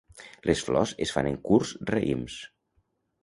Les flors es fan en curts raïms.